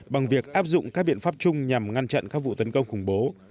bằng việc áp dụng các biện pháp chung nhằm ngăn chặn các vụ tấn công khủng bố